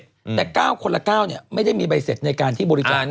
แต่๙คนละ๙ไม่ได้มีใบเศ็ดในการที่บริจาค